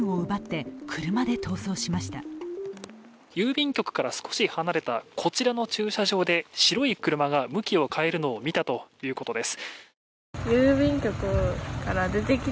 郵便局から少し離れたこちらの駐車場で白い車が向きを変えるのを見たということです。